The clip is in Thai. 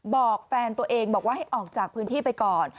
บอกแฟนตัวเองบอกว่าให้ออกจากพื้นที่ไปก่อน